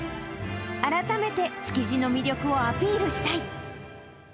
改めて築地の魅力をアピールしたい。